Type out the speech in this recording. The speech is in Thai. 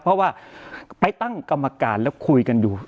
เพราะว่าไปตั้งกรรมการแล้วคุยกันอยู่